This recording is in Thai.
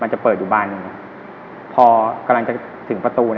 มันจะเปิดอยู่บ้านอย่างนี้พอกำลังจะถึงประตู